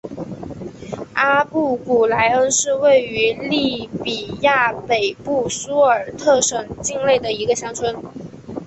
阿布古来恩是位于利比亚北部苏尔特省境内的一个乡村。